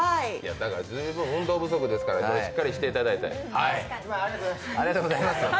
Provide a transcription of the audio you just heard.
十分運動不足ですから、しっかりしていただいて。